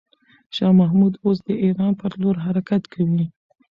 شاه محمود اوس د ایران پر لور حرکت کوي.